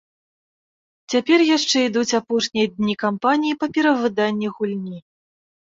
Цяпер яшчэ ідуць апошнія дні кампаніі па перавыданні гульні.